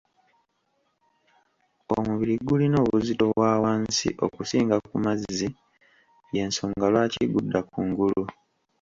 Omubiri gulina obuzito bwa wansi okusinga ku mazzi y'ensonga lwaki gudda kungulu.